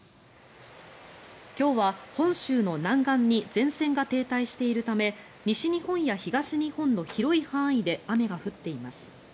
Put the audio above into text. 今日は本州の南岸に前線が停滞しているため西日本や東日本の広い範囲で雨が降っています。